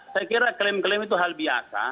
saya kira klaim klaim itu hal biasa